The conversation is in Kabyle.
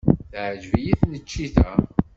Teɛjeb-iyi tneččit-a.